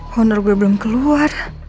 honor gue belum keluar